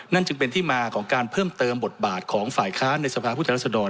จึงเป็นที่มาของการเพิ่มเติมบทบาทของฝ่ายค้านในสภาพุทธรัศดร